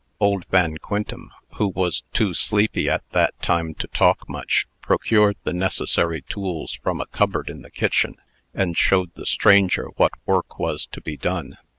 Old Van Quintem, who was too sleepy at that time to talk much, procured the necessary tools from a cupboard in the kitchen, and showed the stranger what work was to be done.